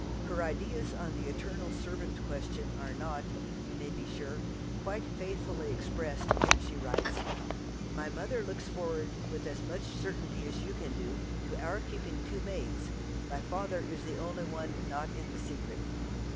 Her ideas on the eternal servant question are not, we may be sure, quite faithfully expressed when she writes: "My mother looks forward with as much certainty as you can do to our keeping two maids; my father is the only one not in the secret.